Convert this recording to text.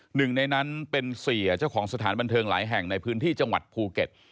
หนึ่งในนั้นเป็นเสียเจ้าของสถานบันเทิงหลายแห่งในพื้นที่จังหวัดภูเก็ต